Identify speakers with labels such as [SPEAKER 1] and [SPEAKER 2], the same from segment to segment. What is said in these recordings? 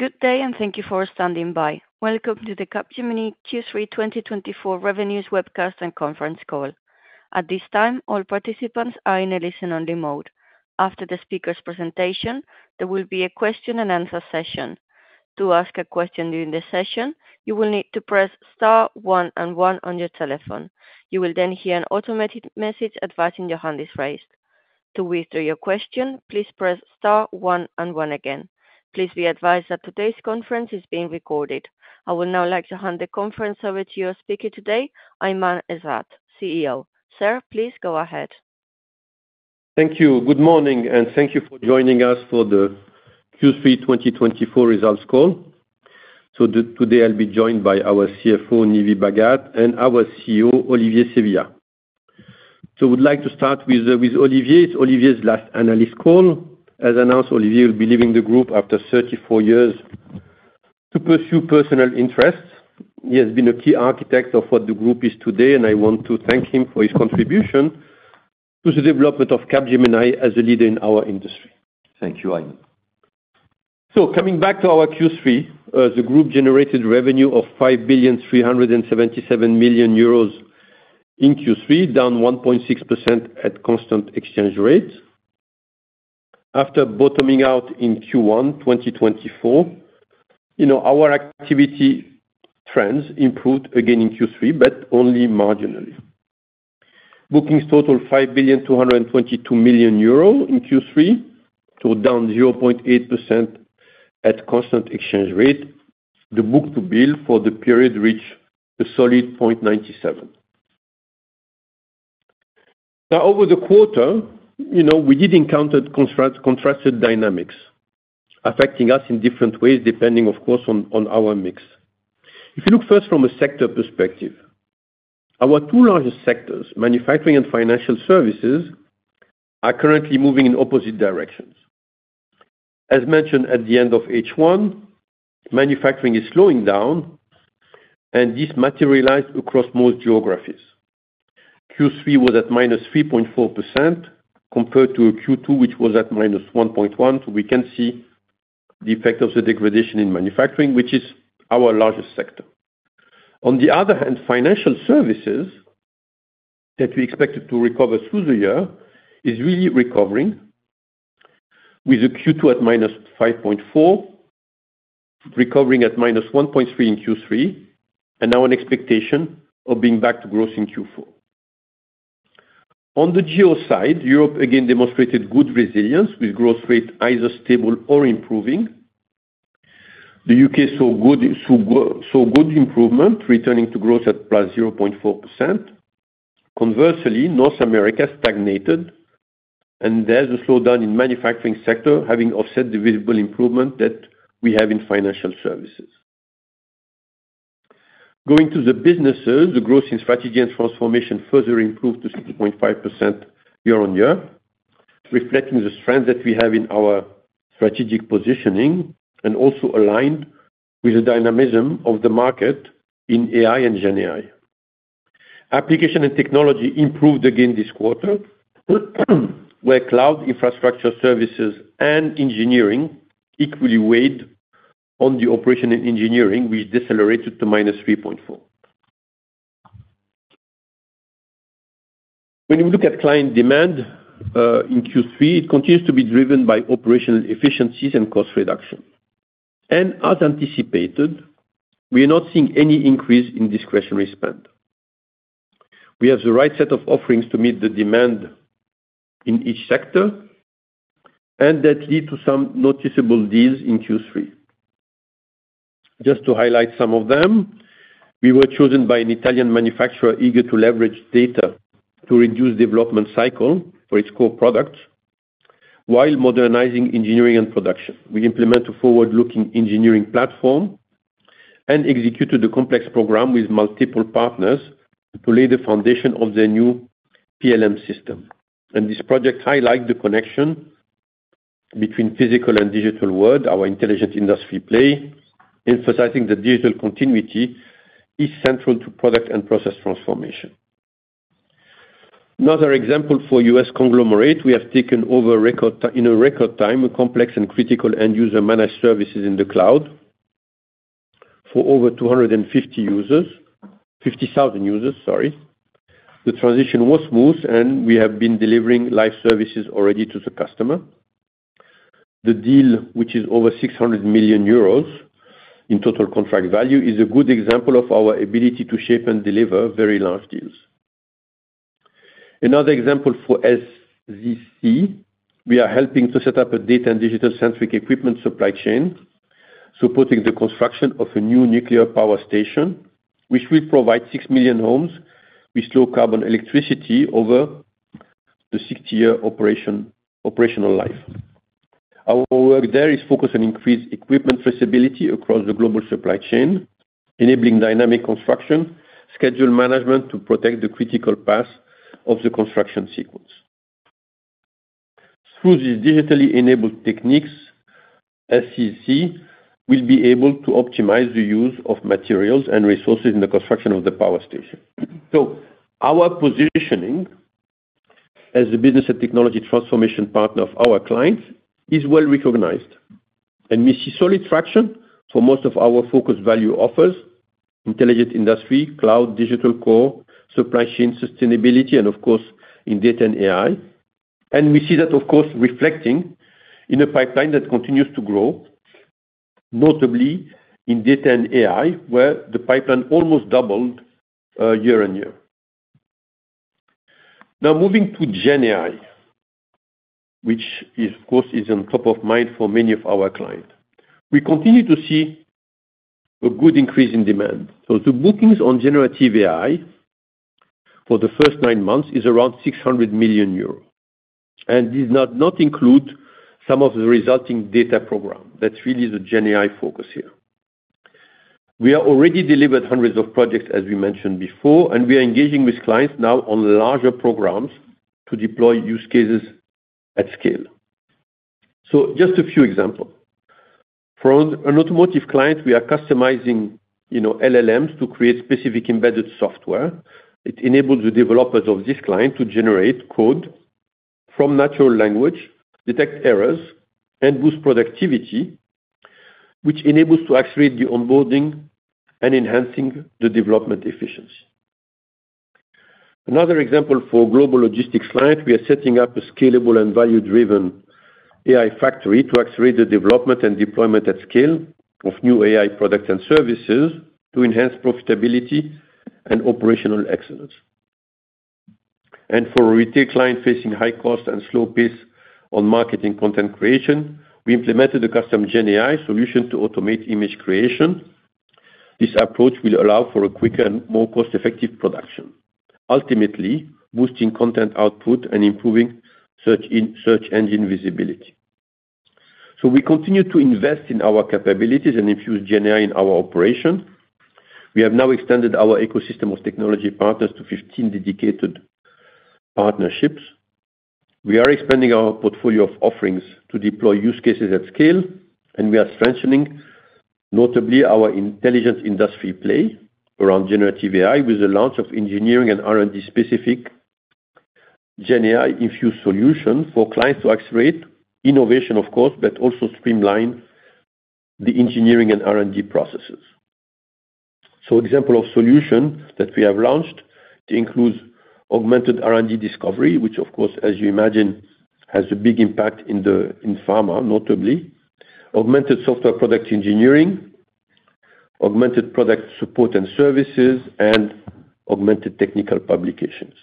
[SPEAKER 1] Good day, and thank you for standing by. Welcome to the Capgemini Q3 2024 Revenues Webcast and Conference Call. At this time, all participants are in a listen-only mode. After the speaker's presentation, there will be a question-and-answer session. To ask a question during the session, you will need to press star one and one on your telephone. You will then hear an automated message advising your hand is raised. To withdraw your question, please press star one and one again. Please be advised that today's conference is being recorded. I would now like to hand the conference over to your speaker today, Aiman Ezzat, CEO. Sir, please go ahead.
[SPEAKER 2] Thank you. Good morning, and thank you for joining us for the Q3 2024 results call. So today, I'll be joined by our CFO, Nive Bhagat; and our COO, Olivier Sevillia. So I would like to start with Olivier. It's Olivier's last analyst call. As announced, Olivier will be leaving the group after 34 years to pursue personal interests. He has been a key architect of what the group is today, and I want to thank him for his contribution to the development of Capgemini as a leader in our industry.
[SPEAKER 3] Thank you, Aiman.
[SPEAKER 2] So coming back to our Q3, the group generated revenue of 5,377 million euros in Q3, down 1.6% at constant exchange rates. After bottoming out in Q1 2024, our activity trends improved again in Q3, but only marginally. Bookings totaled 5,222 million euros in Q3, so down 0.8% at constant exchange rate. The book-to-bill for the period reached a solid 0.97. Now, over the quarter, we did encounter contrasted dynamics affecting us in different ways, depending, of course, on our mix. If you look first from a sector perspective, our two largest sectors, manufacturing and financial services, are currently moving in opposite directions. As mentioned at the end of H1, manufacturing is slowing down, and this materialized across most geographies. Q3 was at -3.4% compared to Q2, which was at -1.1%. So we can see the effect of the degradation in manufacturing, which is our largest sector. On the other hand, financial services that we expected to recover through the year is really recovering, with Q2 at -5.4%, recovering at -1.3% in Q3, and now an expectation of being back to growth in Q4. On the geo side, Europe again demonstrated good resilience with growth rates either stable or improving. The U.K. saw good improvement, returning to growth at +0.4%. Conversely, North America stagnated, and there's a slowdown in the manufacturing sector, having offset the visible improvement that we have in financial services. Going to the businesses, the growth in Strategy and Transformation further improved to 6.5% year-on-year, reflecting the strength that we have in our strategic positioning and also aligned with the dynamism of the market in AI and GenAI. Applications and Technology improved again this quarter, where cloud infrastructure services and engineering equally weighed on the Operations and Engineering, which decelerated to -3.4%. When we look at client demand in Q3, it continues to be driven by operational efficiencies and cost reduction, and as anticipated, we are not seeing any increase in discretionary spend. We have the right set of offerings to meet the demand in each sector, and that led to some noticeable deals in Q3. Just to highlight some of them, we were chosen by an Italian manufacturer eager to leverage data to reduce the development cycle for its core products while modernizing engineering and production. We implemented a forward-looking engineering platform and executed a complex program with multiple partners to lay the foundation of the new PLM system, and this project highlights the connection between physical and digital worlds, our Intelligent Industry play, emphasizing that digital continuity is central to product and process transformation. Another example for a U.S. conglomerate, we have taken over in record time complex and critical end-user managed services in the cloud for over 250,000 users. The transition was smooth, and we have been delivering live services already to the customer. The deal, which is over 600 million euros in total contract value, is a good example of our ability to shape and deliver very large deals. Another example for SZC, we are helping to set up a data and digital-centric equipment supply chain, supporting the construction of a new nuclear power station, which will provide 6 million homes with low-carbon electricity over the 60-year operational life. Our work there is focused on increased equipment traceability across the global supply chain, enabling dynamic construction schedule management to protect the critical parts of the construction sequence. Through these digitally enabled techniques, SZC will be able to optimize the use of materials and resources in the construction of the power station. Our positioning as a business and technology transformation partner of our clients is well recognized, and we see solid traction for most of our focus value offers: Intelligent Industry, cloud, Digital Core, supply chain sustainability, and of course, in data and AI. We see that, of course, reflecting in a pipeline that continues to grow, notably in data and AI, where the pipeline almost doubled year-on-year. Now, moving to GenAI, which, of course, is on top of mind for many of our clients. We continue to see a good increase in demand. The bookings on generative AI for the first nine months is around 600 million euros, and this does not include some of the resulting data programs. That's really the GenAI focus here. We have already delivered hundreds of projects, as we mentioned before, and we are engaging with clients now on larger programs to deploy use cases at scale, so just a few examples. For an automotive client, we are customizing LLMs to create specific embedded software. It enables the developers of this client to generate code from natural language, detect errors, and boost productivity, which enables us to accelerate the onboarding and enhancing the development efficiency. Another example for a global logistics client, we are setting up a scalable and value-driven AI factory to accelerate the development and deployment at scale of new AI products and services to enhance profitability and operational excellence, and for a retail client facing high cost and slow pace on marketing content creation, we implemented a custom GenAI solution to automate image creation. This approach will allow for a quicker and more cost-effective production, ultimately boosting content output and improving search engine visibility. We continue to invest in our capabilities and infuse GenAI in our operations. We have now extended our ecosystem of technology partners to 15 dedicated partnerships. We are expanding our portfolio of offerings to deploy use cases at scale, and we are strengthening, notably, our Intelligent Industry play around generative AI with the launch of engineering and R&D-specific GenAI-infused solutions for clients to accelerate innovation, of course, but also streamline the engineering and R&D processes. An example of a solution that we have launched includes Augmented R&D Discovery, which, of course, as you imagine, has a big impact in pharma, notably. Augmented Software Product Engineering, Augmented Product Support and Services, and Augmented Technical Publications.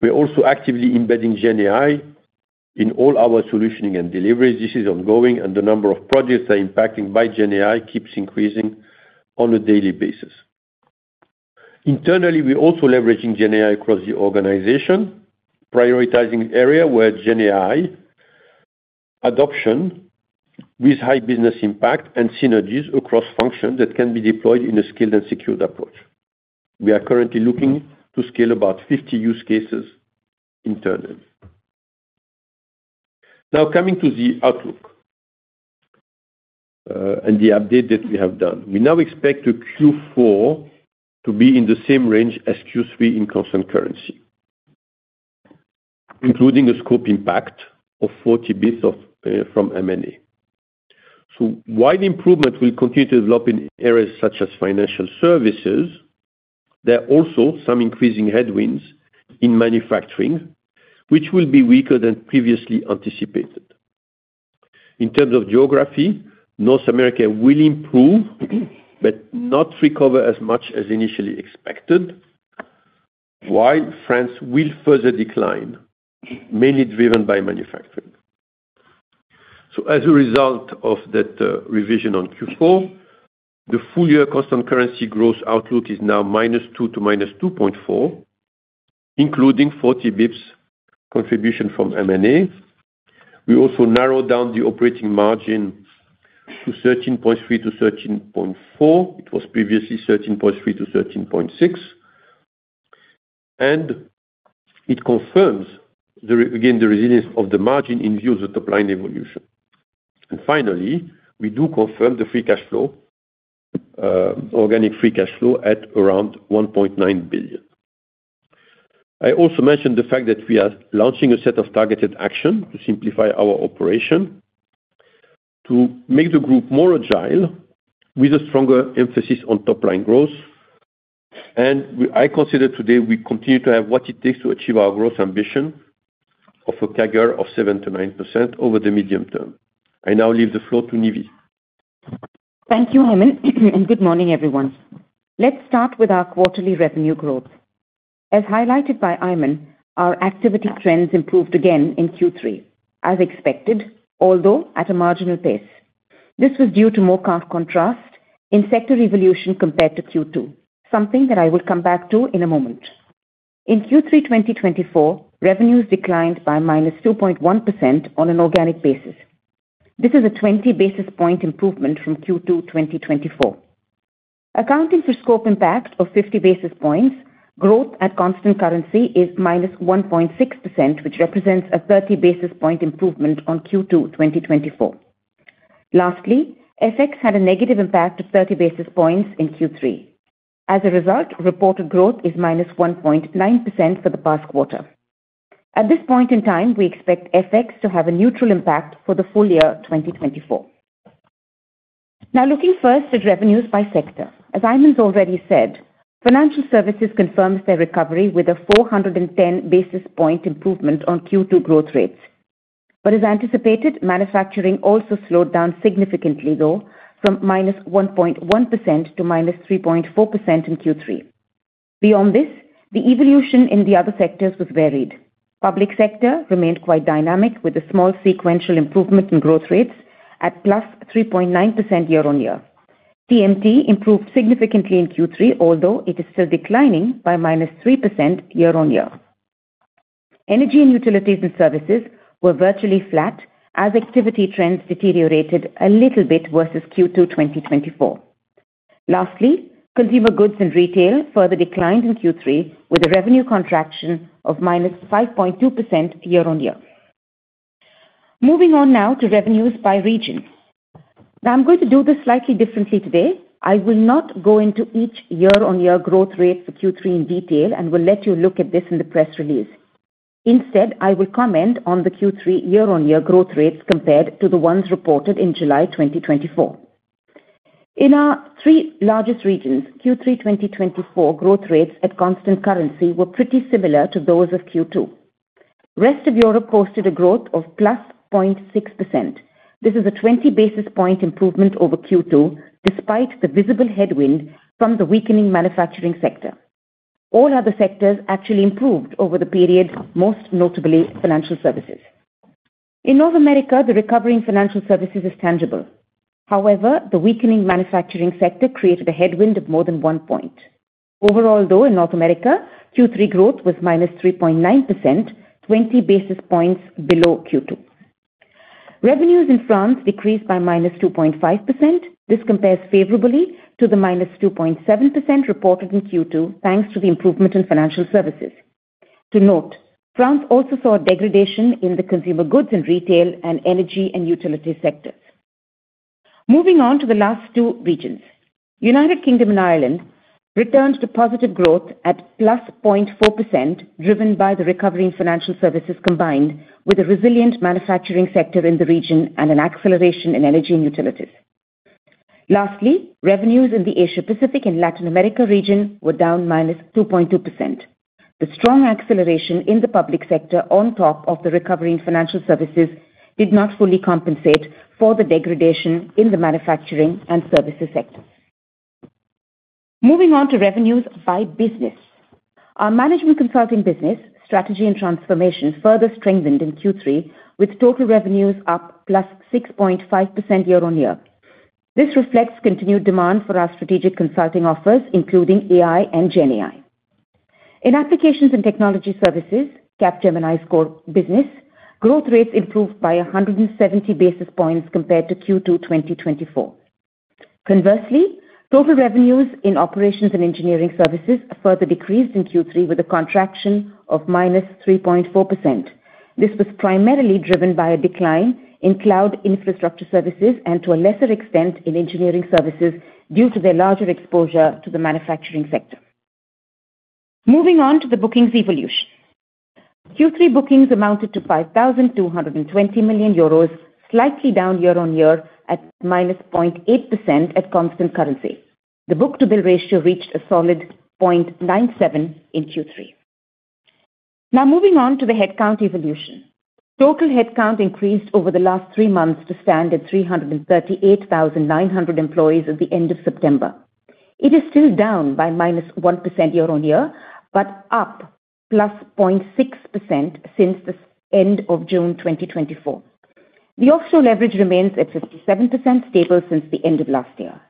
[SPEAKER 2] We are also actively embedding GenAI in all our solutioning and deliveries. This is ongoing, and the number of projects that are impacted by GenAI keeps increasing on a daily basis. Internally, we are also leveraging GenAI across the organization, prioritizing areas where GenAI adoption with high business impact and synergies across functions that can be deployed in a scaled and secured approach. We are currently looking to scale about 50 use cases internally. Now, coming to the outlook and the update that we have done, we now expect Q4 to be in the same range as Q3 in constant currency, including a scope impact of 40 basis points from M&A. So while improvements will continue to develop in areas such as financial services, there are also some increasing headwinds in manufacturing, which will be weaker than previously anticipated. In terms of geography, North America will improve but not recover as much as initially expected, while France will further decline, mainly driven by manufacturing, so as a result of that revision on Q4, the full-year constant currency growth outlook is now -2% to -2.4%, including 40 basis points contribution from M&A. We also narrowed down the operating margin to 13.3%-13.4%. It was previously 13.3%-13.6%, and it confirms again the resilience of the margin in view of the top-line evolution, and finally, we do confirm the free cash flow, organic free cash flow at around 1.9 billion. I also mentioned the fact that we are launching a set of targeted actions to simplify our operation to make the group more agile with a stronger emphasis on top-line growth. I consider today we continue to have what it takes to achieve our growth ambition of a CAGR of 7%-9% over the medium term. I now leave the floor to Nive.
[SPEAKER 4] Thank you, Aiman, and good morning, everyone. Let's start with our quarterly revenue growth. As highlighted by Aiman, our activity trends improved again in Q3, as expected, although at a marginal pace. This was due to more marked contrast in sector evolution compared to Q2, something that I will come back to in a moment. In Q3 2024, revenues declined by -2.1% on an organic basis. This is a 20 basis points improvement from Q2 2024. Accounting for scope impact of 50 basis points, growth at constant currency is -1.6%, which represents a 30 basis points improvement on Q2 2024. Lastly, FX had a negative impact of 30 basis points in Q3. As a result, reported growth is -1.9% for the past quarter. At this point in time, we expect FX to have a neutral impact for the full year 2024. Now, looking first at revenues by sector, as Aiman has already said, financial services confirms their recovery with a 410 basis point improvement on Q2 growth rates. But as anticipated, manufacturing also slowed down significantly, though, from -1.1%--3.4% in Q3. Beyond this, the evolution in the other sectors was varied. Public sector remained quite dynamic with a small sequential improvement in growth rates at +3.9% year-on-year. TMT improved significantly in Q3, although it is still declining by -3% year-on-year. Energy and utilities and services were virtually flat as activity trends deteriorated a little bit versus Q2 2024. Lastly, consumer goods and retail further declined in Q3 with a revenue contraction of -5.2% year-on-year. Moving on now to revenues by region. Now, I'm going to do this slightly differently today. I will not go into each year-on-year growth rate for Q3 in detail and will let you look at this in the press release. Instead, I will comment on the Q3 year-on-year growth rates compared to the ones reported in July 2024. In our three largest regions, Q3 2024 growth rates at constant currency were pretty similar to those of Q2. Rest of Europe posted a growth of +0.6%. This is a 20 basis point improvement over Q2 despite the visible headwind from the weakening manufacturing sector. All other sectors actually improved over the period, most notably financial services. In North America, the recovery in financial services is tangible. However, the weakening manufacturing sector created a headwind of more than one point. Overall, though, in North America, Q3 growth was -3.9%, 20 basis points below Q2. Revenues in France decreased by -2.5%. This compares favorably to the -2.7% reported in Q2 thanks to the improvement in financial services. To note, France also saw degradation in the consumer goods and retail and energy and utility sectors. Moving on to the last two regions, the United Kingdom and Ireland returned to positive growth at +0.4%, driven by the recovery in financial services combined with a resilient manufacturing sector in the region and an acceleration in energy and utilities. Lastly, revenues in the Asia-Pacific and Latin America region were down -2.2%. The strong acceleration in the public sector on top of the recovery in financial services did not fully compensate for the degradation in the manufacturing and services sector. Moving on to revenues by business, our management consulting business, Strategy and Transformation further strengthened in Q3 with total revenues up +6.5% year-on-year. This reflects continued demand for our strategic consulting offers, including AI and GenAI. In applications and technology services, Capgemini scored business growth rates improved by 170 basis points compared to Q2 2024. Conversely, total revenues in operations and engineering services further decreased in Q3 with a contraction of -3.4%. This was primarily driven by a decline in cloud infrastructure services and to a lesser extent in engineering services due to their larger exposure to the manufacturing sector. Moving on to the bookings evolution, Q3 bookings amounted to 5,220 million euros, slightly down year-on-year at -0.8% at constant currency. The book-to-bill ratio reached a solid 0.97 in Q3. Now, moving on to the headcount evolution, total headcount increased over the last three months to stand at 338,900 employees at the end of September. It is still down by -1% year-on-year but up +0.6% since the end of June 2024. The offshore leverage remains at 57%, stable since the end of last year.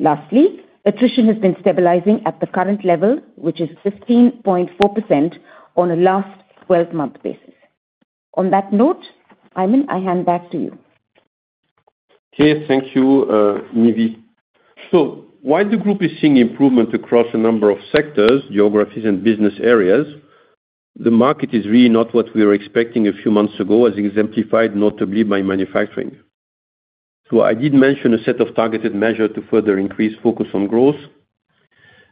[SPEAKER 4] Lastly, attrition has been stabilizing at the current level, which is 15.4% on a last 12-month basis. On that note, Aiman, I hand back to you.
[SPEAKER 2] Okay. Thank you, Nive. So while the group is seeing improvement across a number of sectors, geographies, and business areas, the market is really not what we were expecting a few months ago, as exemplified notably by manufacturing. So I did mention a set of targeted measures to further increase focus on growth.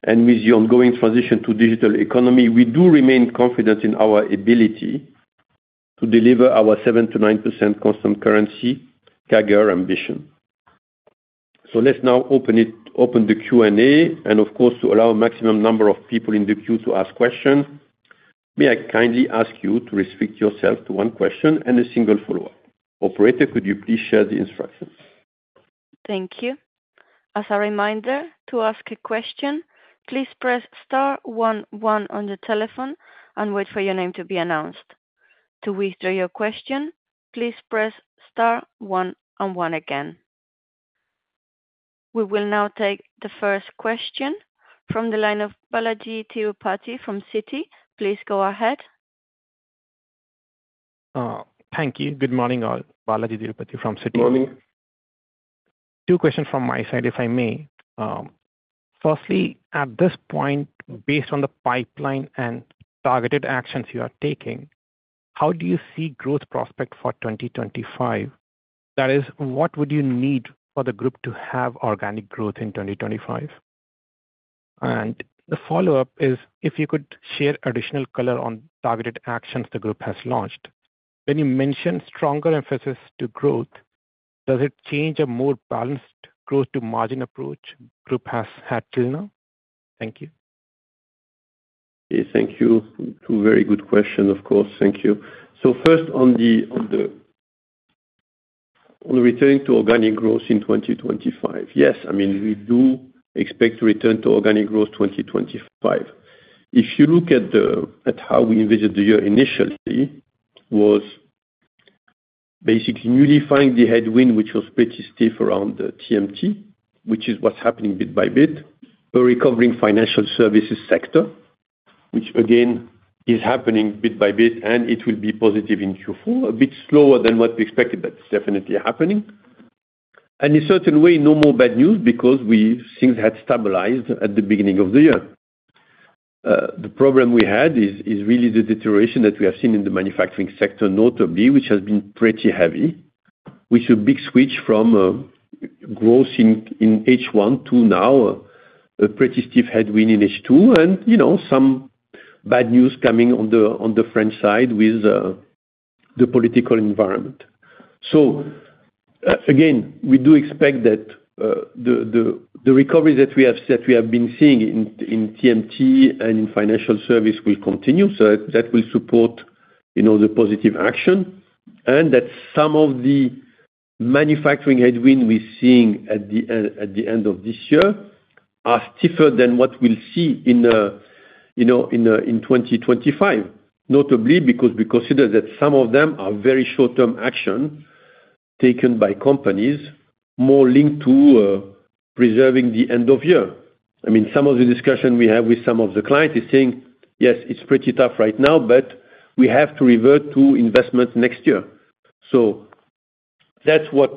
[SPEAKER 2] And with the ongoing transition to digital economy, we do remain confident in our ability to deliver our 7%-9% constant currency CAGR ambition. So let's now open the Q&A. And of course, to allow a maximum number of people in the queue to ask questions, may I kindly ask you to restrict yourself to one question and a single follow-up? Operator, could you please share the instructions?
[SPEAKER 1] Thank you. As a reminder, to ask a question, please press star one, one on your telephone and wait for your name to be announced. To withdraw your question, please press star one, one again. We will now take the first question from the line of Balajee Tirupati from Citi. Please go ahead.
[SPEAKER 5] Thank you. Good morning, Balajee Tirupati from Citi. Two questions from my side, if I may. Firstly, at this point, based on the pipeline and targeted actions you are taking, how do you see growth prospects for 2025? That is, what would you need for the group to have organic growth in 2025? And the follow-up is, if you could share additional color on targeted actions the group has launched. When you mentioned stronger emphasis to growth, does it change a more balanced growth-to-margin approach the group has had till now? Thank you.
[SPEAKER 2] Okay. Thank you. Two very good questions, of course. Thank you. So first, on returning to organic growth in 2025, yes, I mean, we do expect to return to organic growth 2025. If you look at how we envisioned the year initially, it was basically facing the headwind, which was pretty stiff around TMT, which is what's happening bit by bit, a recovering financial services sector, which, again, is happening bit by bit, and it will be positive in Q4, a bit slower than what we expected, but it's definitely happening. In a certain way, no more bad news because things had stabilized at the beginning of the year. The problem we had is really the deterioration that we have seen in the manufacturing sector, notably, which has been pretty heavy, with a big switch from growth in H1 to now a pretty stiff headwind in H2 and some bad news coming on the French side with the political environment. So again, we do expect that the recovery that we have been seeing in TMT and in financial services will continue. So that will support the positive traction and that some of the manufacturing headwind we're seeing at the end of this year are stiffer than what we'll see in 2025, notably because we consider that some of them are very short-term actions taken by companies more linked to preserving the end of year. I mean, some of the discussion we have with some of the clients is saying, "Yes, it's pretty tough right now, but we have to revert to investment next year." So that's what,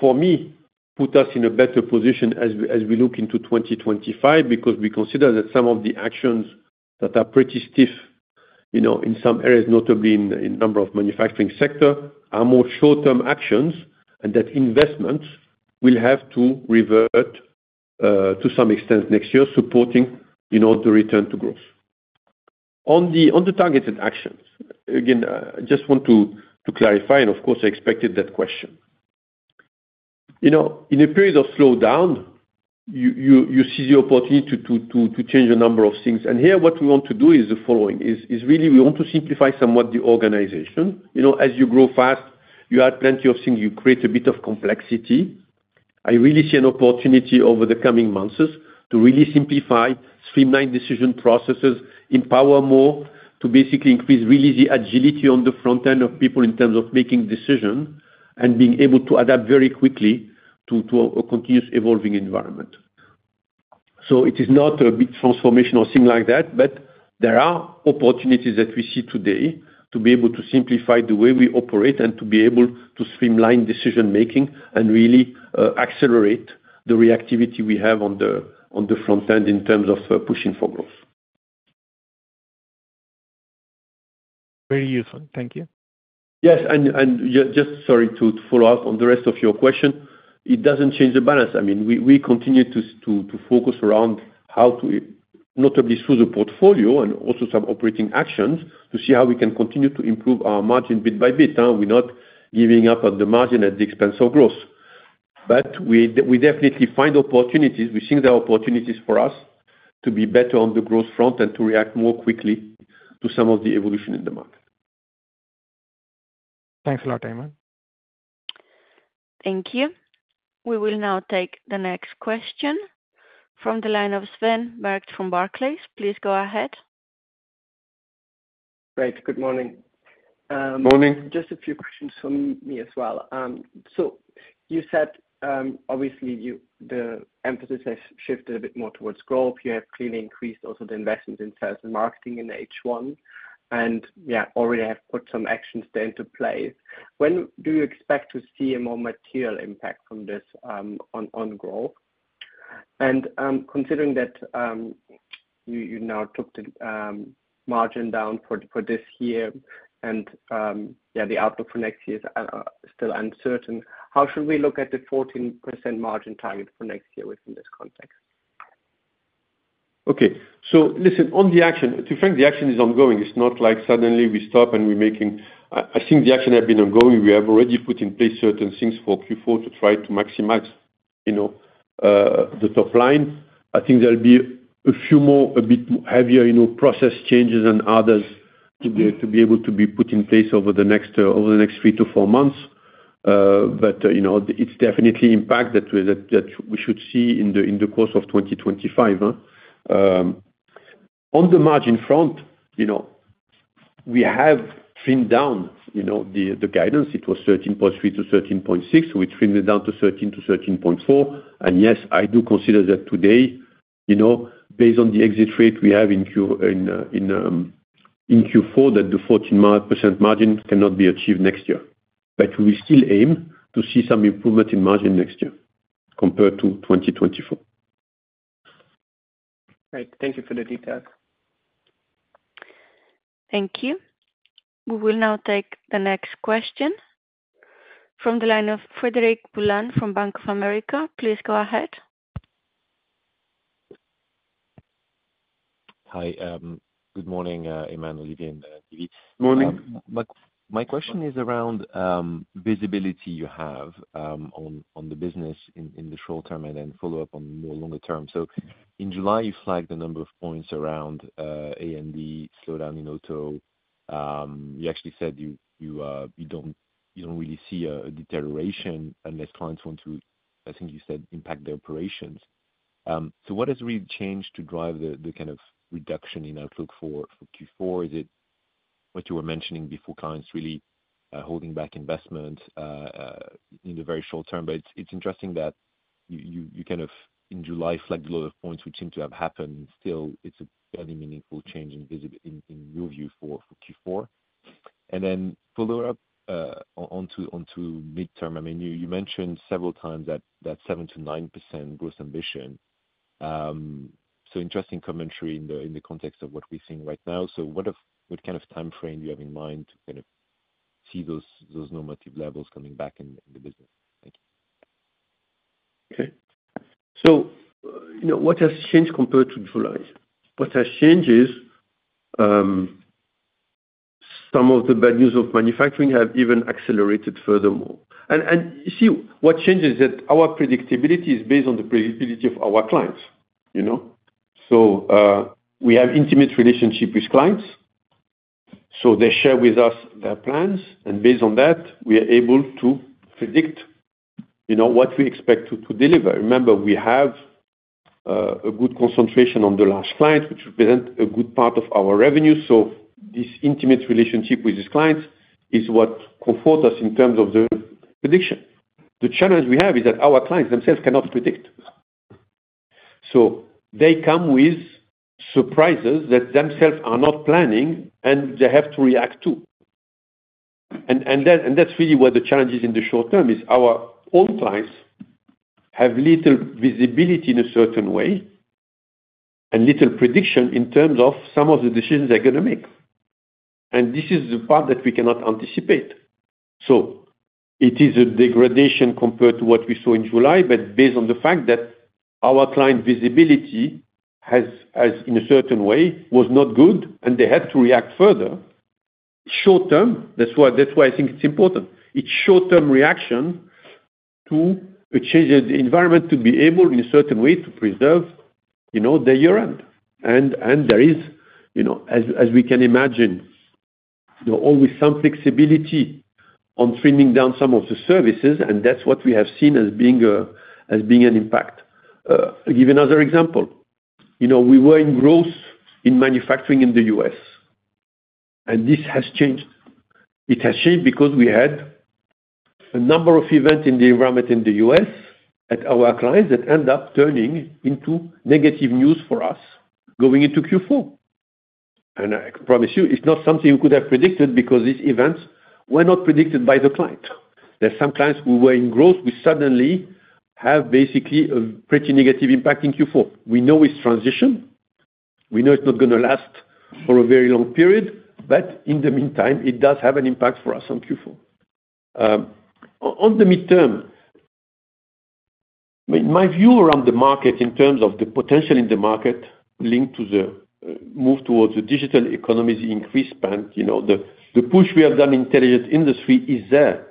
[SPEAKER 2] for me, puts us in a better position as we look into 2025 because we consider that some of the actions that are pretty stiff in some areas, notably in a number of manufacturing sectors, are more short-term actions and that investments will have to revert to some extent next year, supporting the return to growth. On the targeted actions, again, I just want to clarify, and of course, I expected that question. In a period of slowdown, you seize the opportunity to change a number of things. And here, what we want to do is the following. It's really we want to simplify somewhat the organization. As you grow fast, you add plenty of things. You create a bit of complexity. I really see an opportunity over the coming months to really simplify, streamline decision processes, empower more to basically increase really the agility on the front end of people in terms of making decisions and being able to adapt very quickly to a continuous evolving environment. So it is not a big transformation or thing like that, but there are opportunities that we see today to be able to simplify the way we operate and to be able to streamline decision-making and really accelerate the reactivity we have on the front end in terms of pushing for growth.
[SPEAKER 5] Very useful. Thank you.
[SPEAKER 2] Yes, and just, sorry, to follow up on the rest of your question, it doesn't change the balance. I mean, we continue to focus around how to, notably, through the portfolio and also some operating actions to see how we can continue to improve our margin bit by bit. We're not giving up on the margin at the expense of growth, but we definitely find opportunities. We think there are opportunities for us to be better on the growth front and to react more quickly to some of the evolution in the market.
[SPEAKER 5] Thanks a lot, Aiman.
[SPEAKER 1] Thank you. We will now take the next question from the line of Sven Merkt from Barclays. Please go ahead.
[SPEAKER 6] Great. Good morning.
[SPEAKER 2] Morning.
[SPEAKER 6] Just a few questions from me as well. So you said, obviously, the emphasis has shifted a bit more towards growth. You have clearly increased also the investment in sales and marketing in H1 and, yeah, already have put some actions into place. When do you expect to see a more material impact from this on growth? And considering that you now took the margin down for this year and, yeah, the outlook for next year is still uncertain, how should we look at the 14% margin target for next year within this context?
[SPEAKER 2] Okay. So listen, on the action, to frankly, the action is ongoing. It's not like suddenly we stop and we're making. I think the action has been ongoing. We have already put in place certain things for Q4 to try to maximize the top line. I think there'll be a few more a bit heavier process changes and others to be able to be put in place over the next three to four months. But it's definitely impact that we should see in the course of 2025. On the margin front, we have trimmed down the guidance. It was 13.3%-13.6%. We trimmed it down to 13%-13.4%. And yes, I do consider that today, based on the exit rate we have in Q4, that the 14% margin cannot be achieved next year. But we still aim to see some improvement in margin next year compared to 2024.
[SPEAKER 6] Great. Thank you for the details.
[SPEAKER 1] Thank you. We will now take the next question from the line of Frederic Boulan from Bank of America. Please go ahead.
[SPEAKER 7] Hi. Good morning, Aiman, Olivier, and Nive.
[SPEAKER 2] Morning.
[SPEAKER 7] My question is around the visibility you have on the business in the short term and then a follow-up on the longer term. So in July, you flagged a number of points around A&D slowdown in auto. You actually said you don't really see a deterioration unless clients want to, I think you said, impact their operations. So what has really changed to drive the kind of reduction in outlook for Q4? Is it what you were mentioning before, clients really holding back investment in the very short term? But it's interesting that you kind of, in July, flagged a lot of points which seem to have happened. Still, it's a fairly meaningful change in your view for Q4. And then a follow-up on the midterm. I mean, you mentioned several times that 7%-9% growth ambition. So interesting commentary in the context of what we're seeing right now. What kind of time frame do you have in mind to kind of see those normative levels coming back in the business? Thank you.
[SPEAKER 2] Okay, so what has changed compared to July? What has changed is some of the bad news of manufacturing have even accelerated furthermore, and you see, what changes is that our predictability is based on the predictability of our clients, so we have intimate relationships with clients, so they share with us their plans, and based on that, we are able to predict what we expect to deliver. Remember, we have a good concentration on the large clients, which represents a good part of our revenue, so this intimate relationship with these clients is what comforts us in terms of the prediction. The challenge we have is that our clients themselves cannot predict, so they come with surprises that themselves are not planning, and they have to react to. That's really where the challenge is in the short term is our own clients have little visibility in a certain way and little prediction in terms of some of the decisions they're going to make. And this is the part that we cannot anticipate. So it is a degradation compared to what we saw in July, but based on the fact that our client visibility, in a certain way, was not good, and they had to react further. Short-term, that's why I think it's important. It's short-term reaction to a changing environment to be able, in a certain way, to preserve the year-end. And there is, as we can imagine, always some flexibility on trimming down some of the services, and that's what we have seen as being an impact. I'll give you another example. We were in growth in manufacturing in the U.S., and this has changed. It has changed because we had a number of events in the environment in the U.S. at our clients that ended up turning into negative news for us going into Q4. And I promise you, it's not something we could have predicted because these events were not predicted by the client. There are some clients who were in growth, who suddenly have basically a pretty negative impact in Q4. We know it's transition. We know it's not going to last for a very long period, but in the meantime, it does have an impact for us on Q4. On the midterm, my view around the market in terms of the potential in the market linked to the move towards the digital economy's increased span, the push we have done in Intelligent Industry is there.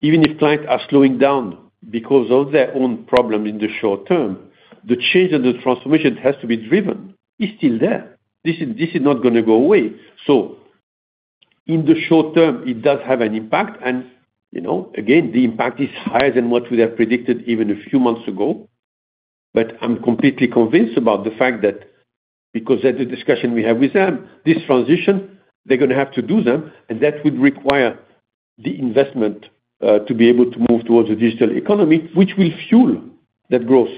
[SPEAKER 2] Even if clients are slowing down because of their own problems in the short term, the change and the transformation that has to be driven is still there. This is not going to go away, so in the short term, it does have an impact, and again, the impact is higher than what we have predicted even a few months ago, but I'm completely convinced about the fact that because of the discussion we have with them, this transition, they're going to have to do them, and that would require the investment to be able to move towards a digital economy, which will fuel that growth,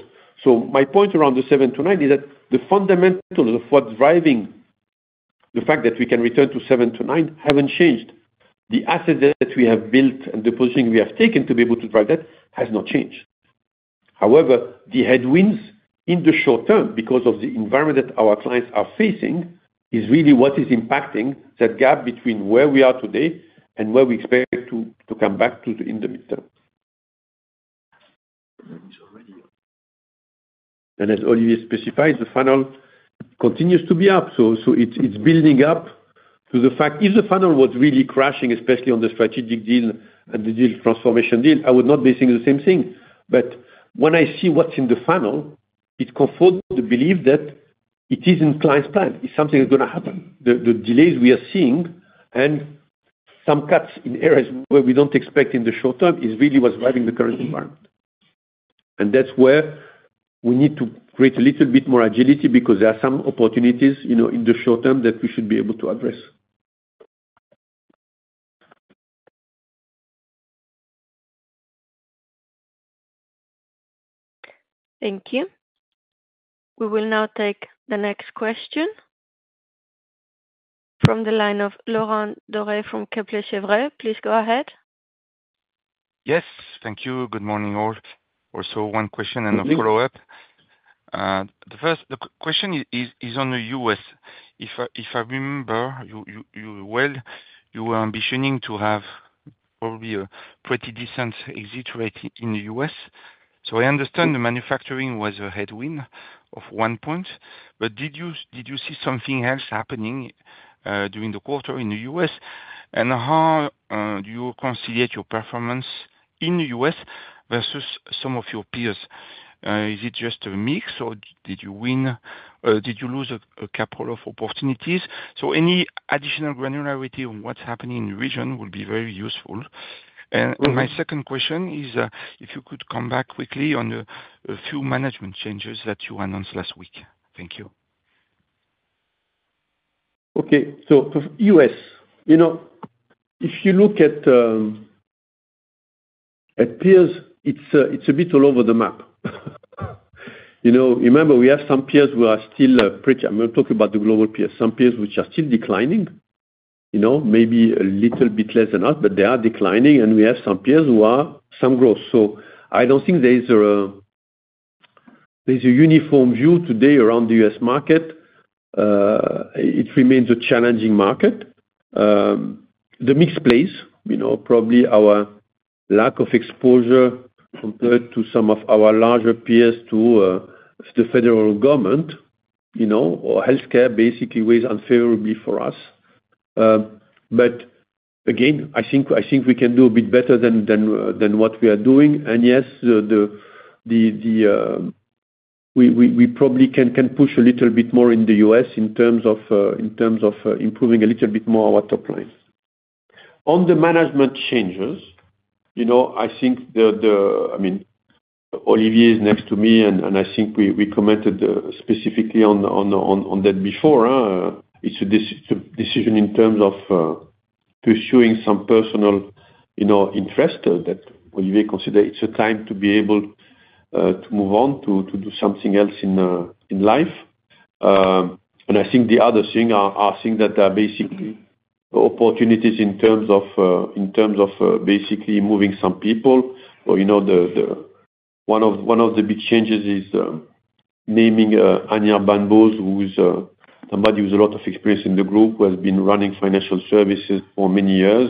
[SPEAKER 2] so my point around the 7-9 is that the fundamentals of what's driving the fact that we can return to 7-9 haven't changed. The assets that we have built and the positioning we have taken to be able to drive that has not changed. However, the headwinds in the short term because of the environment that our clients are facing is really what is impacting that gap between where we are today and where we expect to come back to in the midterm. And as Olivier specified, the funnel continues to be up. So it's building up to the fact if the funnel was really crashing, especially on the strategic deal and the deal transformation deal, I would not be seeing the same thing. But when I see what's in the funnel, it comforts the belief that it is in clients' plans. It's something that's going to happen. The delays we are seeing and some cuts in areas where we don't expect in the short term is really what's driving the current environment. That's where we need to create a little bit more agility because there are some opportunities in the short term that we should be able to address.
[SPEAKER 1] Thank you. We will now take the next question from the line of Laurent Daure from Kepler Cheuvreux. Please go ahead.
[SPEAKER 8] Yes. Thank you. Good morning, all. Also, one question and a follow-up. The question is on the U.S. If I remember you well, you were aiming to have probably a pretty decent exit rate in the U.S. So I understand the manufacturing was a headwind of one point. But did you see something else happening during the quarter in the U.S.? And how do you reconcile your performance in the U.S. versus some of your peers? Is it just a mix, or did you win? Did you lose a couple of opportunities? So any additional granularity on what's happening in the region will be very useful. And my second question is if you could come back quickly on a few management changes that you announced last week. Thank you.
[SPEAKER 2] Okay. So, for the U.S., if you look at peers, it's a bit all over the map. Remember, we have some peers who are still declining. I'm going to talk about the global peers: some peers which are still declining, maybe a little bit less than us, but they are declining, and we have some peers who are showing some growth. So, I don't think there's a uniform view today around the U.S. market. It remains a challenging market. It's a mixed place, probably our lack of exposure compared to some of our larger peers to the federal government or healthcare basically weighs unfavorably for us, but again, I think we can do a bit better than what we are doing, and yes, we probably can push a little bit more in the U.S. in terms of improving a little bit more our top line. On the management changes, I think, I mean, Olivier is next to me, and I think we commented specifically on that before. It's a decision in terms of pursuing some personal interest that Olivier considers it's a time to be able to move on to do something else in life. And I think the other thing are things that are basically opportunities in terms of basically moving some people. One of the big changes is naming Anirban Bose, who is somebody who has a lot of experience in the group, who has been running financial services for many years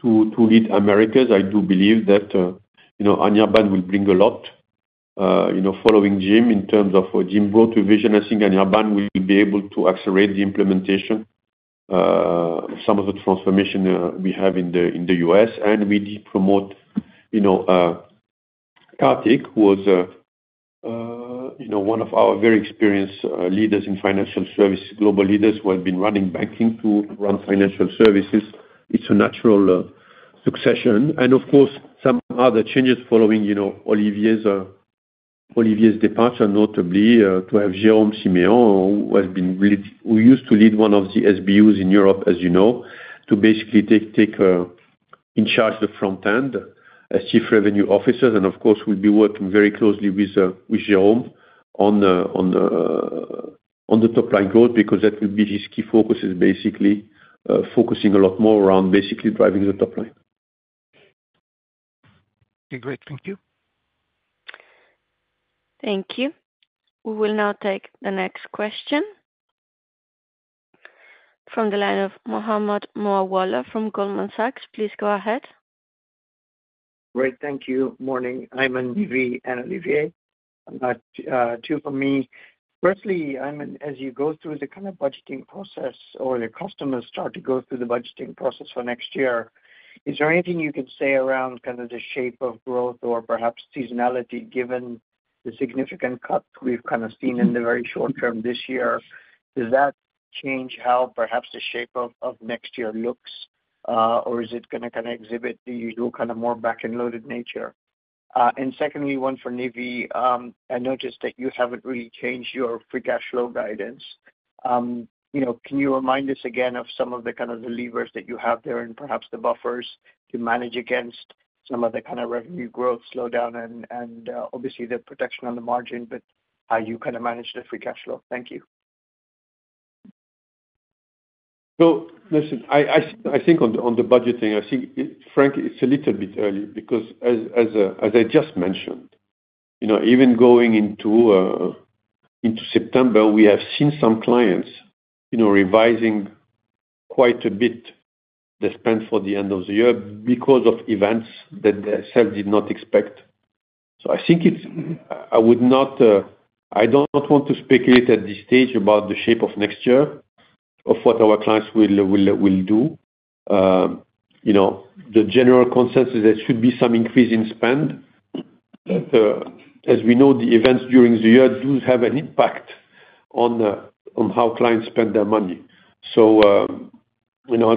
[SPEAKER 2] to lead Americas. I do believe that Anirban Bose will bring a lot following Jim in terms of Jim Bailey's vision. I think Anirban Bose will be able to accelerate the implementation of some of the transformation we have in the US. We promote Kartik, who was one of our very experienced leaders in financial services, global leaders who have been running banking to run financial services. It's a natural succession. Of course, some other changes following Olivier's departure, notably to have Jérôme Siméon, who used to lead one of the SBUs in Europe, as you know, to basically take charge of the front end as Chief Revenue Officer. Of course, we'll be working very closely with Jérôme on the top line growth because that will be his key focus, is basically focusing a lot more around basically driving the top line.
[SPEAKER 8] Okay. Great. Thank you.
[SPEAKER 1] Thank you. We will now take the next question from the line of Mohammed Moawalla from Goldman Sachs. Please go ahead.
[SPEAKER 9] Great. Thank you. Morning, Aiman, Nive, and Olivier. Two for me. Firstly, Aiman, as you go through the kind of budgeting process or the customers start to go through the budgeting process for next year, is there anything you can say around kind of the shape of growth or perhaps seasonality given the significant cuts we've kind of seen in the very short term this year? Does that change how perhaps the shape of next year looks, or is it going to kind of exhibit the usual kind of more back-and-loaded nature? And secondly, one for Nive, I noticed that you haven't really changed your free cash flow guidance. Can you remind us again of some of the kind of levers that you have there and perhaps the buffers to manage against some of the kind of revenue growth slowdown and obviously the protection on the margin, but how you kind of manage the free cash flow? Thank you.
[SPEAKER 2] Well, listen. I think on the budgeting, I think, frankly, it's a little bit early because, as I just mentioned, even going into September, we have seen some clients revising quite a bit the spend for the end of the year because of events that they themselves did not expect. So I think I don't want to speculate at this stage about the shape of next year or what our clients will do. The general consensus is there should be some increase in spend. As we know, the events during the year do have an impact on how clients spend their money. So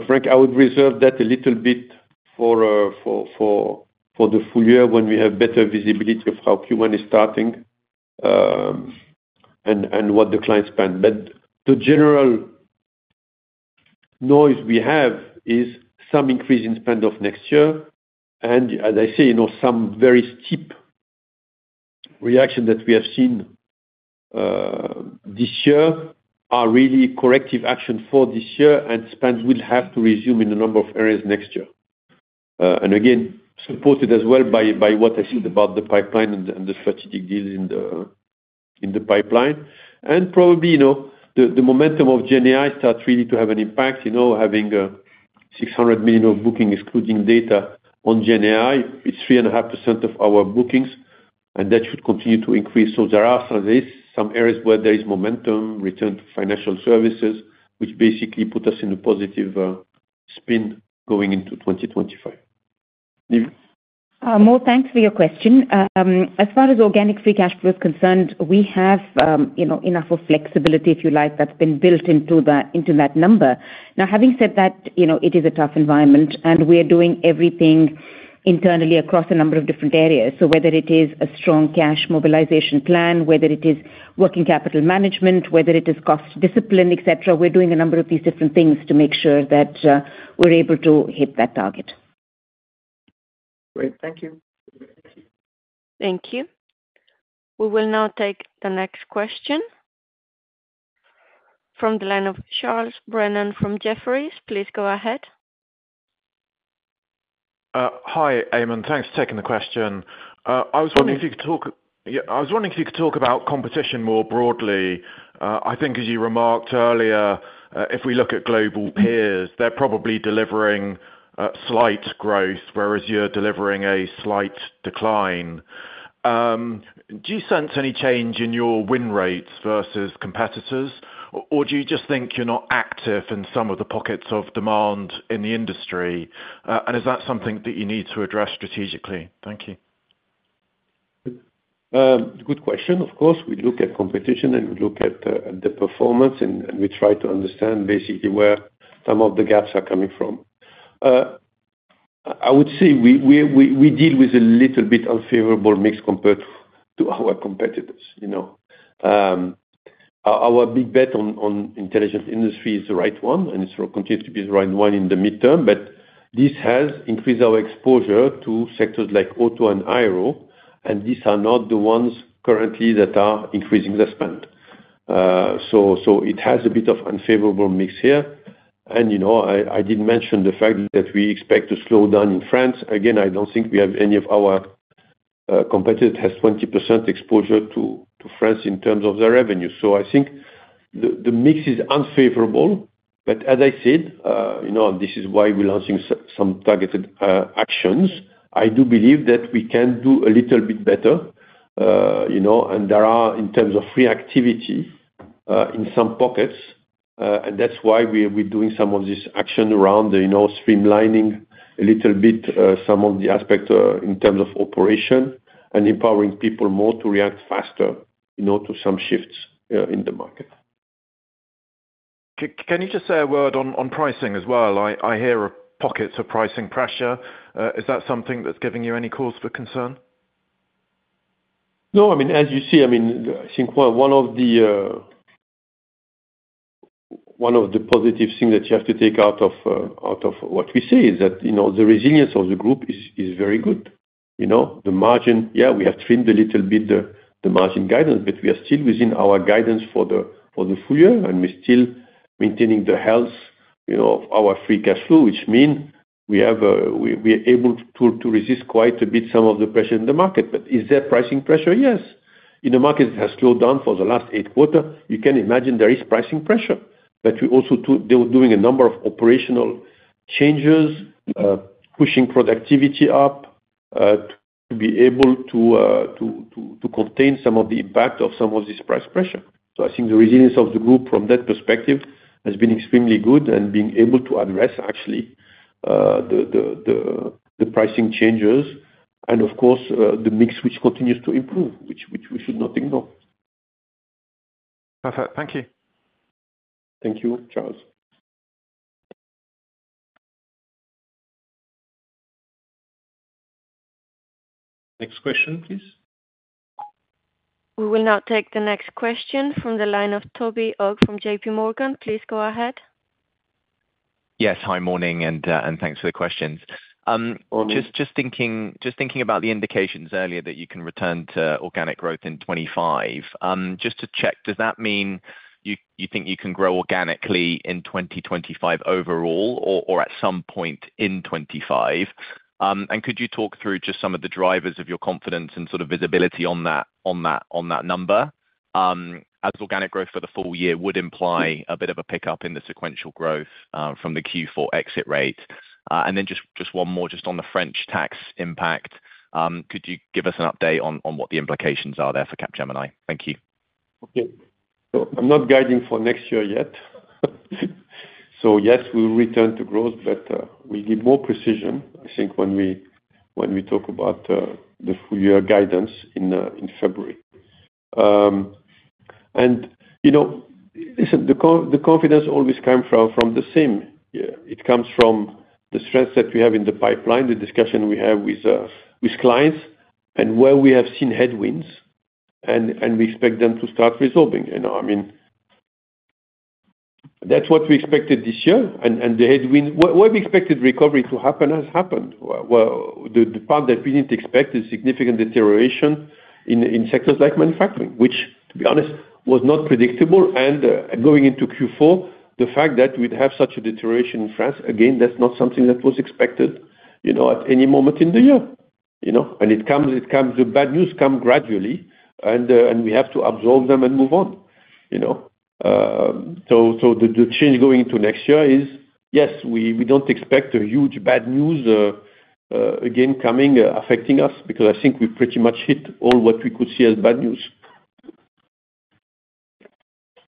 [SPEAKER 2] frankly, I would reserve that a little bit for the full year when we have better visibility of how Q1 is starting and what the clients spend. But the general noise we have is some increase in spend for next year. As I say, some very steep reactions that we have seen this year are really corrective action for this year, and spend will have to resume in a number of areas next year. Again, supported as well by what I said about the pipeline and the strategic deals in the pipeline. Probably the momentum of GenAI starts really to have an impact. Having 600 million of bookings excluding deals on GenAI, it's 3.5% of our bookings, and that should continue to increase. There are some areas where there is momentum returned to financial services, which basically put us in a positive spin going into 2025. Nive?
[SPEAKER 4] More thanks for your question. As far as organic free cash flow is concerned, we have enough of flexibility, if you like, that's been built into that number. Now, having said that, it is a tough environment, and we are doing everything internally across a number of different areas. So whether it is a strong cash mobilization plan, whether it is working capital management, whether it is cost discipline, etc., we're doing a number of these different things to make sure that we're able to hit that target.
[SPEAKER 9] Great. Thank you.
[SPEAKER 1] Thank you. We will now take the next question from the line of Charles Brennan from Jefferies. Please go ahead.
[SPEAKER 10] Hi, Aiman. Thanks for taking the question. I was wondering if you could talk about competition more broadly. I think, as you remarked earlier, if we look at global peers, they're probably delivering slight growth, whereas you're delivering a slight decline. Do you sense any change in your win rates versus competitors, or do you just think you're not active in some of the pockets of demand in the industry? And is that something that you need to address strategically? Thank you.
[SPEAKER 2] Good question. Of course, we look at competition, and we look at the performance, and we try to understand basically where some of the gaps are coming from. I would say we deal with a little bit unfavorable mix compared to our competitors. Our big bet on Intelligent Industry is the right one, and it continues to be the right one in the midterm. But this has increased our exposure to sectors like auto and aero, and these are not the ones currently that are increasing the spend. So it has a bit of unfavorable mix here. And I did mention the fact that we expect to slow down in France. Again, I don't think we have any of our competitors that has 20% exposure to France in terms of their revenue. So I think the mix is unfavorable. But as I said, this is why we're launching some targeted actions. I do believe that we can do a little bit better. And there are, in terms of reactivity, in some pockets, and that's why we're doing some of this action around streamlining a little bit some of the aspects in terms of operation and empowering people more to react faster to some shifts in the market.
[SPEAKER 10] Can you just say a word on pricing as well? I hear pockets of pricing pressure. Is that something that's giving you any cause for concern?
[SPEAKER 2] No. I mean, as you see, I mean, I think one of the positive things that you have to take out of what we say is that the resilience of the group is very good. The margin, yeah, we have trimmed a little bit the margin guidance, but we are still within our guidance for the full year, and we're still maintaining the health of our free cash flow, which means we are able to resist quite a bit some of the pressure in the market. But is there pricing pressure? Yes. In a market that has slowed down for the last eight quarters, you can imagine there is pricing pressure. But we're also doing a number of operational changes, pushing productivity up to be able to contain some of the impact of some of this price pressure. So I think the resilience of the group from that perspective has been extremely good and being able to address, actually, the pricing changes, and of course, the mix which continues to improve, which we should not ignore.
[SPEAKER 10] Perfect. Thank you.
[SPEAKER 2] Thank you, Charles. Next question, please.
[SPEAKER 1] We will now take the next question from the line of Toby Ogg from JPMorgan. Please go ahead.
[SPEAKER 11] Yes. Hi, morning, and thanks for the questions. Just thinking about the indications earlier that you can return to organic growth in 2025, just to check, does that mean you think you can grow organically in 2025 overall or at some point in 2025? And could you talk through just some of the drivers of your confidence and sort of visibility on that number? As organic growth for the full year would imply a bit of a pickup in the sequential growth from the Q4 exit rate. And then just one more, just on the French tax impact, could you give us an update on what the implications are there for Capgemini? Thank you.
[SPEAKER 2] Okay. So, I'm not guiding for next year yet. So yes, we'll return to growth, but we'll need more precision, I think, when we talk about the full-year guidance in February. And listen, the confidence always comes from the same. It comes from the strength that we have in the pipeline, the discussions we have with clients, and where we have seen headwinds, and we expect them to start resolving. I mean, that's what we expected this year. And the headwind, where we expected recovery to happen, has happened. The part that we didn't expect is significant deterioration in sectors like manufacturing, which, to be honest, was not predictable. And going into Q4, the fact that we'd have such a deterioration in France, again, that's not something that was expected at any moment in the year. And the bad news comes gradually, and we have to absorb them and move on. So the change going into next year is, yes, we don't expect a huge bad news again coming affecting us because I think we've pretty much hit all what we could see as bad news.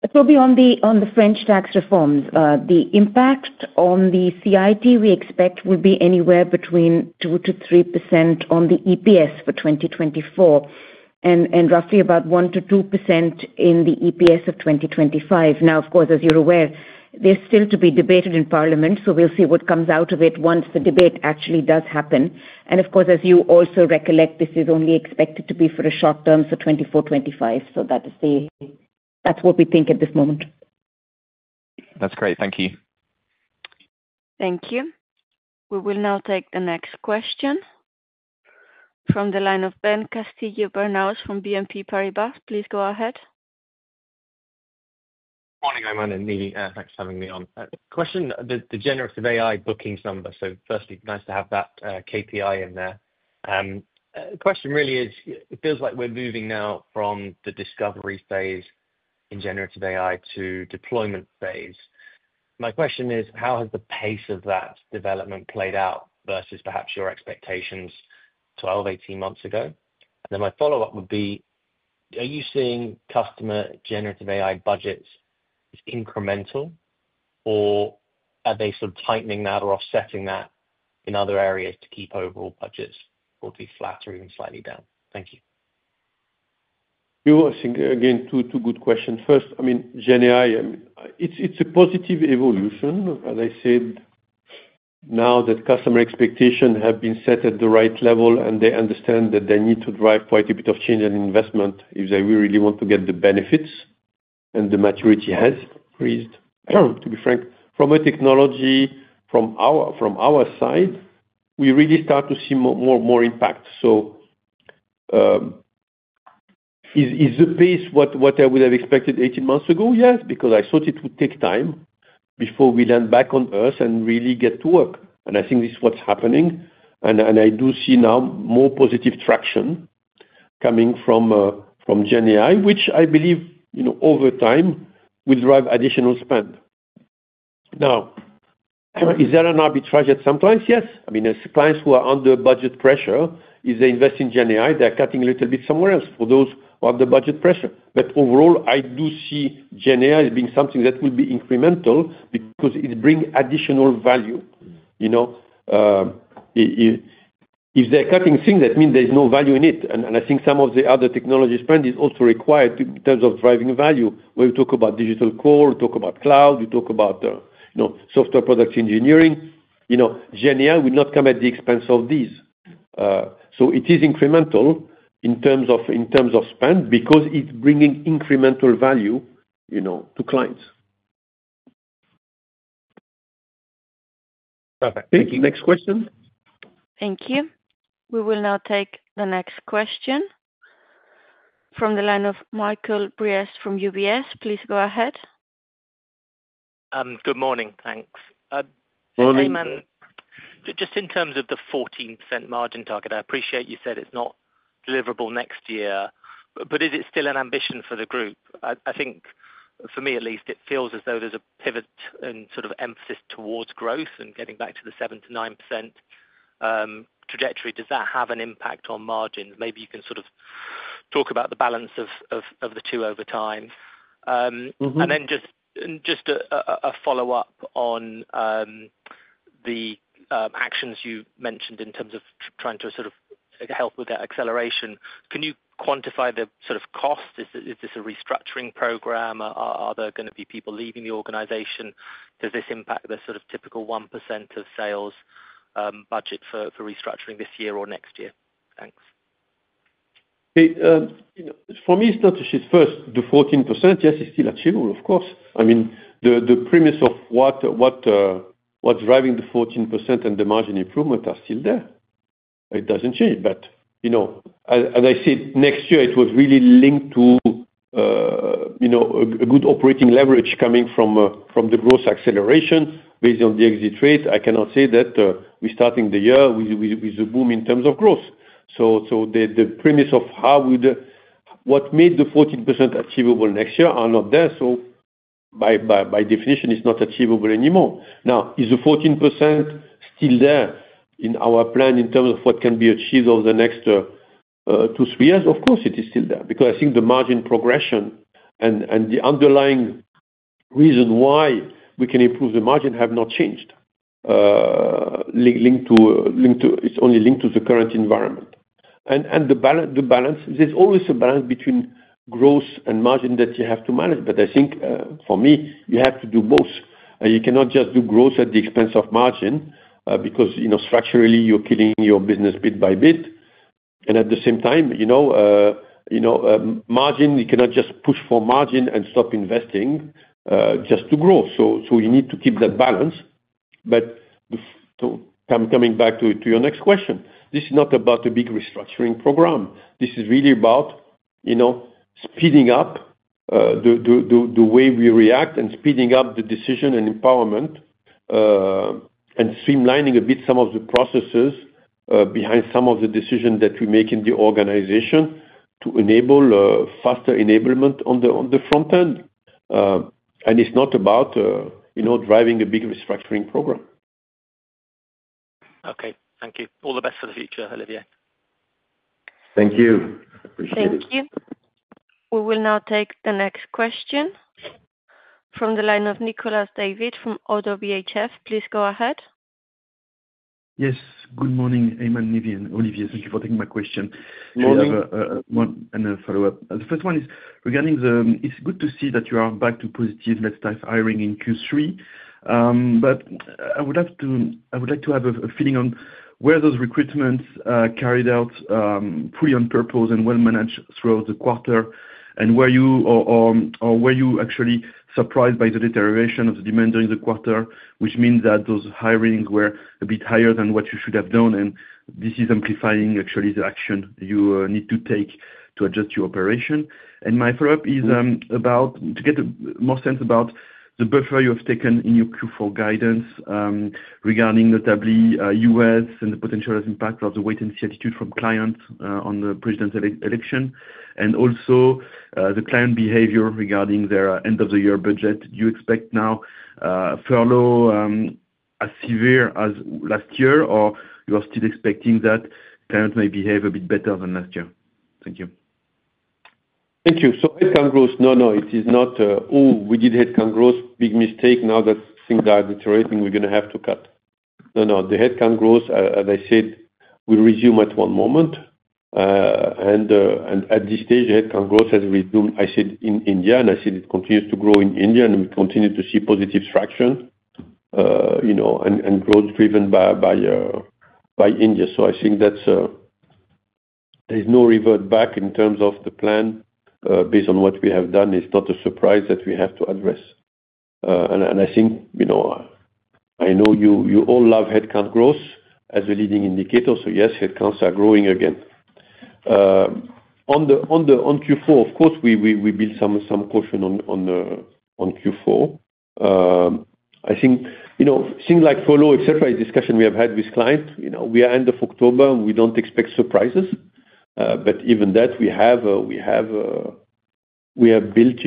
[SPEAKER 4] It will be on the French tax reforms. The impact on the CIT we expect will be anywhere between two to three percent on the EPS for 2024 and roughly about one to two percent in the EPS of 2025. Now, of course, as you're aware, there's still to be debated in Parliament, so we'll see what comes out of it once the debate actually does happen, and of course, as you also recollect, this is only expected to be for the short term, so 2024, 2025, so that's what we think at this moment.
[SPEAKER 11] That's great. Thank you.
[SPEAKER 1] Thank you. We will now take the next question from the line of Ben Castillo-Bernaus from BNP Paribas. Please go ahead.
[SPEAKER 12] Good morning, Aiman and Nive. Thanks for having me on. Question, the generative AI bookings number. So firstly, nice to have that KPI in there. The question really is, it feels like we're moving now from the discovery phase in generative AI to deployment phase. My question is, how has the pace of that development played out versus perhaps your expectations 12 months, 18 months ago? And then my follow-up would be, are you seeing customer generative AI budgets as incremental, or are they sort of tightening that or offsetting that in other areas to keep overall budgets or be flat or even slightly down? Thank you.
[SPEAKER 2] I think, again, two good questions. First, I mean, GenAI, it's a positive evolution. As I said, now that customer expectations have been set at the right level and they understand that they need to drive quite a bit of change and investment if they really want to get the benefits and the maturity has increased, to be frank. From a technology from our side, we really start to see more impact. So is the pace what I would have expected 18 months ago? Yes, because I thought it would take time before we land back on Earth and really get to work. And I think this is what's happening. And I do see now more positive traction coming from GenAI, which I believe over time will drive additional spend. Now, is there an arbitrage at some points? Yes. I mean, there's clients who are under budget pressure. If they invest in GenAI, they're cutting a little bit somewhere else for those who are under budget pressure. But overall, I do see GenAI as being something that will be incremental because it brings additional value. If they're cutting things, that means there's no value in it. And I think some of the other technology spend is also required in terms of driving value. When we talk about digital core, we talk about cloud, we talk about software product engineering, GenAI will not come at the expense of these. So it is incremental in terms of spend because it's bringing incremental value to clients.
[SPEAKER 12] Perfect. Thank you.
[SPEAKER 2] Next question.
[SPEAKER 1] Thank you. We will now take the next question from the line of Michael Briest from UBS. Please go ahead.
[SPEAKER 13] Good morning. Thanks.
[SPEAKER 2] Morning.
[SPEAKER 13] Aiman, just in terms of the 14% margin target, I appreciate you said it's not deliverable next year, but is it still an ambition for the group? I think, for me at least, it feels as though there's a pivot and sort of emphasis towards growth and getting back to the 7%-9% trajectory. Does that have an impact on margins? Maybe you can sort of talk about the balance of the two over time. And then just a follow-up on the actions you mentioned in terms of trying to sort of help with that acceleration. Can you quantify the sort of cost? Is this a restructuring program? Are there going to be people leaving the organization? Does this impact the sort of typical 1% of sales budget for restructuring this year or next year? Thanks.
[SPEAKER 2] For me, it's not a shift. First, the 14%, yes, it's still achievable, of course. I mean, the premise of what's driving the 14% and the margin improvement are still there. It doesn't change. But as I said, next year, it was really linked to a good operating leverage coming from the growth acceleration based on the exit rate. I cannot say that we're starting the year with a boom in terms of growth. So the premise of what made the 14% achievable next year are not there. So by definition, it's not achievable anymore. Now, is the 14% still there in our plan in terms of what can be achieved over the next two, three years? Of course, it is still there because I think the margin progression and the underlying reason why we can improve the margin have not changed. It's only linked to the current environment. The balance, there's always a balance between growth and margin that you have to manage. But I think, for me, you have to do both. You cannot just do growth at the expense of margin because structurally, you're killing your business bit by bit. And at the same time, margin, you cannot just push for margin and stop investing just to grow. So you need to keep that balance. But coming back to your next question, this is not about a big restructuring program. This is really about speeding up the way we react and speeding up the decision and empowerment and streamlining a bit some of the processes behind some of the decisions that we make in the organization to enable faster enablement on the front end. And it's not about driving a big restructuring program.
[SPEAKER 13] Okay. Thank you. All the best for the future, Olivier.
[SPEAKER 3] Thank you. Appreciate it.
[SPEAKER 1] Thank you. We will now take the next question from the line of Nicolas David from ODDO BHF. Please go ahead.
[SPEAKER 14] Yes. Good morning, Aiman, Nive, and Olivier. Thank you for taking my question. I have one and a follow-up. The first one is regarding the. It's good to see that you are back to positive. Let's start hiring in Q3, but I would like to have a feeling on where those recruitments carried out fully on purpose and well-managed throughout the quarter and where you were actually surprised by the deterioration of the demand during the quarter, which means that those hirings were a bit higher than what you should have done, and this is amplifying, actually, the action you need to take to adjust your operation. My follow-up is about to get more sense about the buffer you have taken in your Q4 guidance regarding notably U.S. and the potential impact of the wait-and-see attitude from clients on the presidential election and also the client behavior regarding their end-of-the-year budget. Do you expect now a furlough as severe as last year, or you are still expecting that clients may behave a bit better than last year? Thank you.
[SPEAKER 2] Thank you. So headcount growth, no, no, it is not, "Oh, we did headcount growth, big mistake. Now that things are deteriorating, we're going to have to cut." No, no. The headcount growth, as I said, will resume at one moment. And at this stage, headcount growth has resumed, I said, in India, and I said it continues to grow in India, and we continue to see positive traction and growth driven by India. So I think there's no revert back in terms of the plan based on what we have done. It's not a surprise that we have to address. And I think I know you all love headcount growth as a leading indicator. So yes, headcounts are growing again. On Q4, of course, we built some caution on Q4. I think things like furlough, etc., is a discussion we have had with clients. We are at the end of October, and we don't expect surprises. But even that, we have built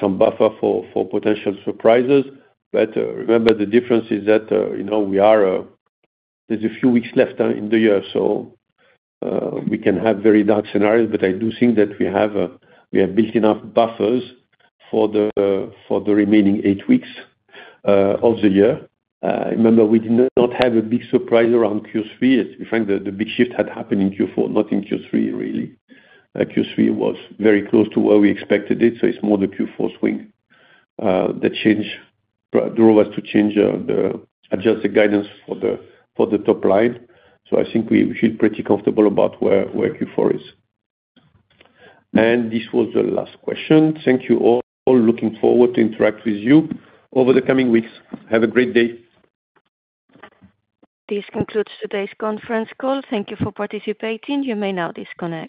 [SPEAKER 2] some buffer for potential surprises. But remember, the difference is that there's a few weeks left in the year, so we can have very dark scenarios. But I do think that we have built enough buffers for the remaining eight weeks of the year. Remember, we did not have a big surprise around Q3. The big shift had happened in Q4, not in Q3, really. Q3 was very close to where we expected it, so it's more the Q4 swing that drove us to adjust the guidance for the top line. So I think we feel pretty comfortable about where Q4 is. And this was the last question. Thank you all. Looking forward to interact with you over the coming weeks. Have a great day.
[SPEAKER 1] This concludes today's conference call. Thank you for participating. You may now disconnect.